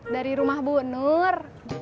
dari rumah bu nur